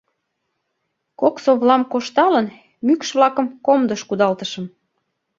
Кок совлам кошталын, мӱкш-влакым комдыш кудалтышым.